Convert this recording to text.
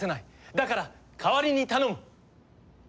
だから代わりに頼む！